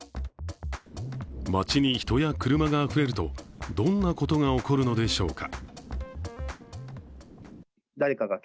街に人や車があふれるとどんなことが起こるのでしょうか。